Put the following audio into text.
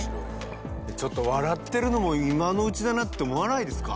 ちょっと、笑ってるのも今のうちだなって思わないですか？